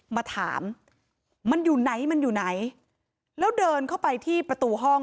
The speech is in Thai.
มาถามมันอยู่ไหนมันอยู่ไหนแล้วเดินเข้าไปที่ประตูห้อง